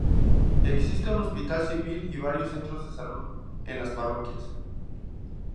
Existe un hospital civil y varios centros de salud en las parroquias.